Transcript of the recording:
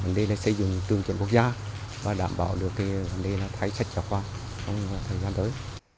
vấn đề là xây dựng trường truyền quốc gia và đảm bảo được thái sách trả khoản trong thời gian tới